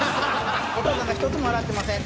「お父さんが１つも笑ってません。